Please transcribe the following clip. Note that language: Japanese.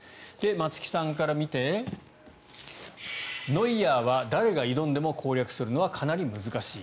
松木さんから見てノイアーは誰が挑んでも攻略するのはかなり難しい。